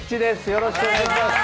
よろしくお願いします！